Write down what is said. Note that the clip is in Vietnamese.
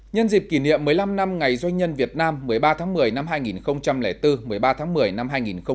nhân dịp kỷ niệm một mươi năm năm ngày doanh nhân việt nam một mươi ba tháng một mươi năm hai nghìn bốn một mươi ba tháng một mươi năm hai nghìn một mươi chín